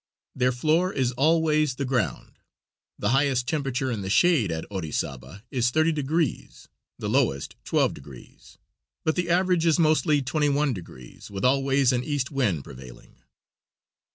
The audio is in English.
Their floor is always the ground. The highest temperature in the shade at Orizaba is 30 deg., the lowest 12 deg., but the average is mostly 21 deg., with always an east wind prevailing.